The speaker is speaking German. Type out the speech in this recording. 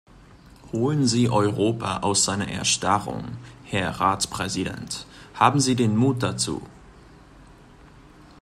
Holen Sie Europa aus seiner Erstarrung, Herr Ratspräsident, haben Sie den Mut dazu!